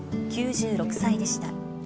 ９６歳でした。